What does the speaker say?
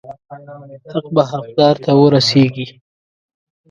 حق به حقدار ته ورسیږي.